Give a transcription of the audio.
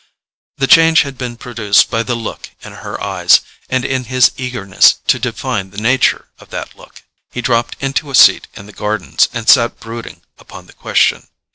The change had been produced by the look in her eyes; and in his eagerness to define the nature of that look, he dropped into a seat in the gardens, and sat brooding upon the question.